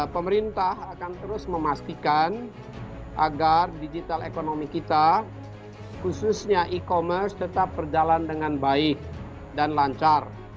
pemerintah akan terus memastikan agar digital ekonomi kita khususnya e commerce tetap berjalan dengan baik dan lancar